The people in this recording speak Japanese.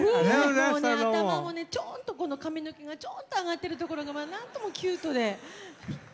頭も、ちょんと髪の毛が、ちょんと上がってるところがなんともキュートで。